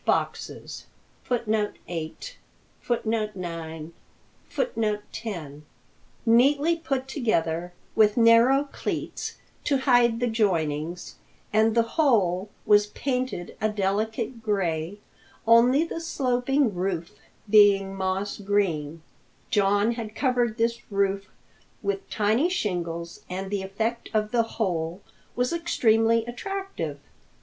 ] The house, as before described, was built of good sized boxes, neatly put together with narrow cleats to hide the joinings, and the whole was painted a delicate gray, only the sloping roof being moss green. John had covered this roof with tiny shingles, and the effect of the whole was extremely attractive.